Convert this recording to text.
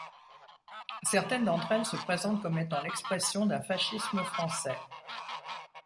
Certaines d'entre elles se présentent comme étant l'expression d'un fascisme français.